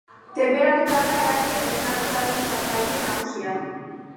Tenperatura da eragile desnaturalizatzaile nagusia.